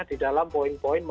di dalam poin poin